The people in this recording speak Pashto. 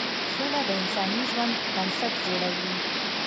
سوله د انساني ژوند بنسټ جوړوي.